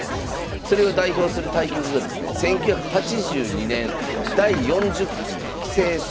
それを代表する対局がですね１９８２年第４０期棋聖戦